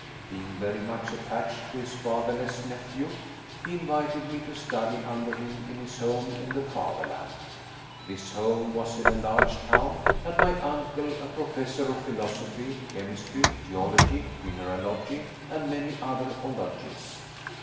Being very much attached to his fatherless nephew, he invited me to study under him in his home in the fatherland. This home was in a large town, and my uncle a professor of philosophy, chemistry, geology, mineralogy, and many other ologies.